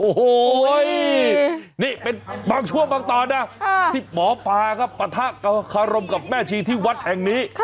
โอ้โหนี่เป็นบางช่วงบางตอนนะที่หมอปลาครับปะทะคารมกับแม่ชีที่วัดแห่งนี้